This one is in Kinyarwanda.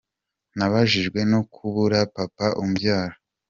Nababajwe no kubura Papa umbyara.